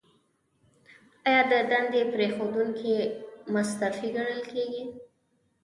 ایا د دندې پریښودونکی مستعفي ګڼل کیږي؟